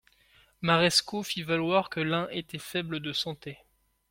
Marescot fit valoir que l'un était faible de santé.